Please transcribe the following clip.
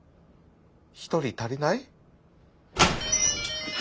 １人足りない？